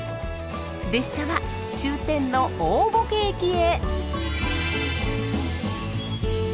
列車は終点の大歩危駅へ！